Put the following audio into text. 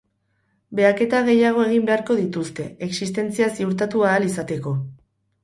Behaketa gehiago egin beharko dituzte, existentzia ziurtatu ahal izateko.